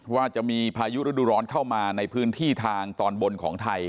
ว่าจะมีพายุฤดูร้อนเข้ามาในพื้นที่ทางตอนบนของไทย